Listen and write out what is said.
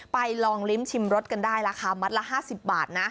ลองลิ้มชิมรสกันได้ราคามัดละ๕๐บาทนะ